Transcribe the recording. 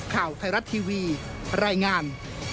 ข่าวไทยรัฐทีวีรายงาน